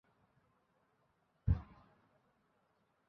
পর্যায়ক্রমে তাঁদের টিআইএন নেওয়ার জন্য নোটিশ জারি করা হবে বলে জানা গেছে।